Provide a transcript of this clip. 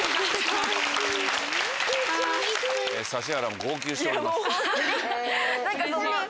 指原も号泣しております。